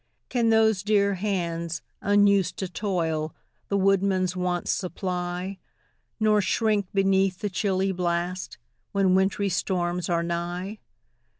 Can those dear hands, unused to toil, The woodman's wants supply, Nor shrink beneath the chilly blast When wintry storms are nigh?